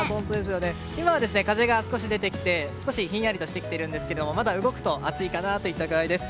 今、風が少し出てきて少しひんやりとしてきてるんですがまだ動くと暑いかなといった具合です。